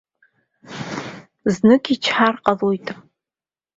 Знык ичҳар ҟалоит.